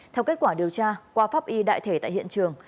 theo kết quả điều tra qua pháp y đại thể tại hiện trường